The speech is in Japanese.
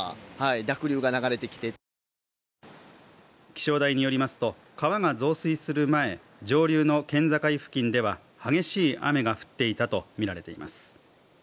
気象台によりますと、川が増水する前、上流の県境付近では激しい雨が降っていたとみられています。